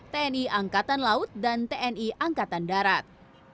tni angkatan laut dan tni angkatan darat